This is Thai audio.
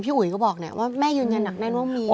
อุ๋ยก็บอกเนี่ยว่าแม่ยืนยันหนักแน่นว่ามี